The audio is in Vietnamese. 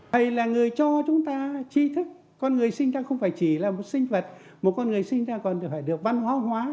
thầy là người cho chúng ta chi thức con người sinh ra không phải chỉ là một sinh vật một con người sinh ra còn phải được văn hóa hóa